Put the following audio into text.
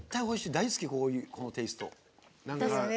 大好き、こういうテイスト。